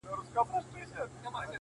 هغه ورځ په واک کي زما زړه نه وي،